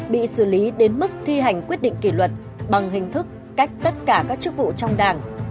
bị xử lý đến mức thi hành quyết định kỷ luật bằng hình thức cách tất cả các chức vụ trong đảng